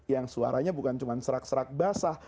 yang suaranya bukan cuma serak serak basah